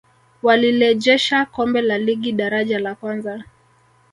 walilejesha kombe la ligi daraja la kwanza